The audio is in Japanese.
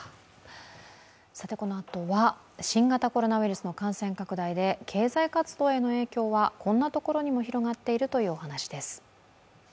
このあとは、新型コロナウイルスの感染拡大で経済活動への影響はこんなところにも広まっているというお話です。